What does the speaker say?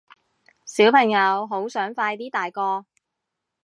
小朋友好想快啲大個